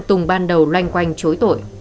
tùng ban đầu loanh quanh chối tội